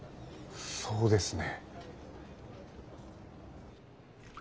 そうですね。